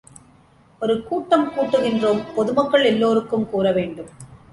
ஒரு கூட்டம் கூட்டுகிறோம், பொதுமக்கள் எல்லோருக்கும் கூறவேண்டும்.